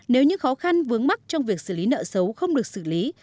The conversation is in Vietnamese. nếu những khó khăn vướng mắc trong việc xử lý nợ xấu không được xử lý